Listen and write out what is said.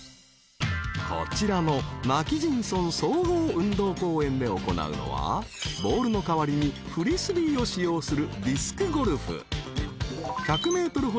［こちらの今帰仁村総合運動公園で行うのはボールの代わりにフリスビーを使用する］